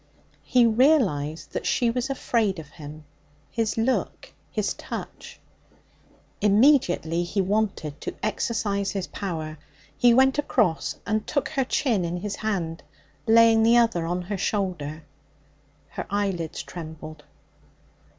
He realized that she was afraid of him his look, his touch. Immediately he wanted to exercise his power. He went across and took her chin in his hand, laying the other on her shoulder. Her eyelids trembled.